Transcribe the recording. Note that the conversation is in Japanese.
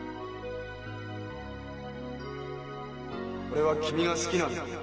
俺は君が好きなんだ。